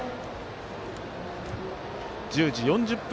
１０時４０分